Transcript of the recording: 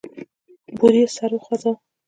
بوریس سر وخوزاوه.